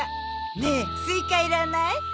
ねえスイカいらない？